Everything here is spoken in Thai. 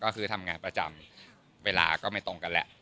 ก็คือทำงานประจำเวลาก็ไม่ตรงกันแหละ